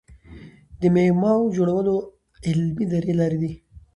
د معماوو جوړولو علمي درې لاري دي.